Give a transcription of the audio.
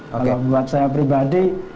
kalau buat saya pribadi